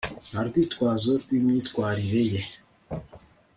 nta rwitwazo rwimyitwarire ye